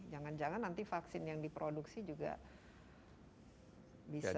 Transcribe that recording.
jangan jangan nanti vaksin yang diproduksi juga bisa